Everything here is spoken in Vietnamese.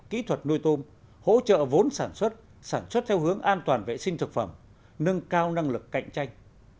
kỹ thuật nuôi tôm hỗ trợ vốn sản xuất sản xuất theo hướng an toàn vệ sinh thực phẩm nâng cao năng lực cạnh tranh